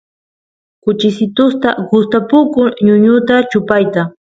kuchisitusta gustapukun ñuñuta chupayta